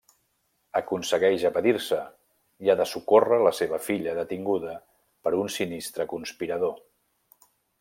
Aconsegueix evadir-se, i ha de socórrer la seva filla detinguda per un sinistre conspirador.